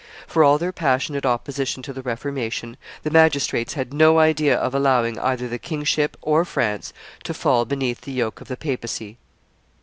For all their passionate opposition to the Reformation, the Magistrates had no idea of allowing either the kingship or France to fall beneath the yoke of the papacy.